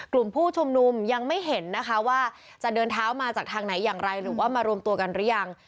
กลุ่มผู้ชุมนุมยังไม่เห็นนะคะว่าจะเดินเท้ามาจากทางไหนอย่างไรหรือว่ามารวมตัวกันหรือยัง